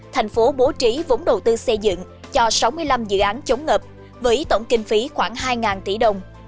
thành phố bố trí vốn đầu tư xây dựng cho sáu mươi năm dự án chống ngập với tổng kinh phí khoảng hai tỷ đồng